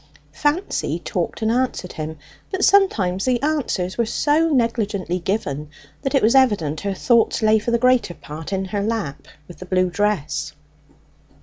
Fancy talked and answered him, but sometimes the answers were so negligently given, that it was evident her thoughts lay for the greater part in her lap with the blue dress.